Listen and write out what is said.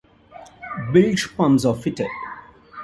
Bilge pumps are fitted.